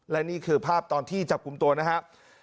และนี่คือภาพตอนที่จับกลุ่มตัวนะครับ